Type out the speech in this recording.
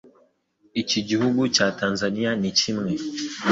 Iki gihugu cya Tanzania ni kimwe